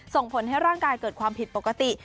ส่งผลให้ร่างกายเกิดความผิดปกติ